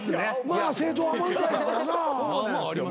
まあ正統派漫才やからやな。